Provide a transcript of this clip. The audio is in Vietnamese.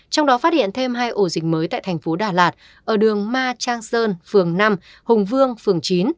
trong đó phát hiện thêm hai ổ dịch mới tại thành phố đà lạt ở đường ma trang sơn phường năm hùng vương phường chín